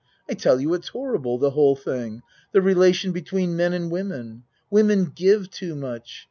I tell you it's horrible the whole thing the rela tion between men and women. Women give too much.